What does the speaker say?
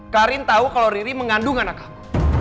karin tau kalau riri mengandung anak kamu